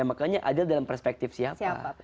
ya makanya adil dalam perspektif siapa